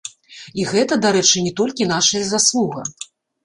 І гэта, дарэчы, не толькі нашая заслуга.